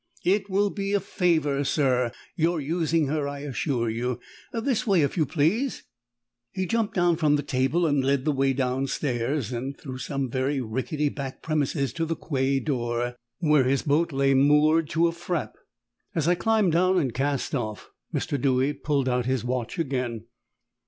"It will be a favour, sir, your using her, I assure you. This way, if you please." He jumped down from the table and led the way downstairs, and through some very rickety back premises to the quay door, where his boat lay moored to a frape. As I climbed down and cast off, Mr. Dewy pulled out his watch again.